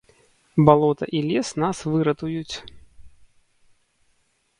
Балота і лес нас выратуюць.